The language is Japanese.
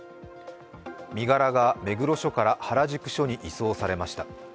身柄が目黒署から原宿署に移送されました。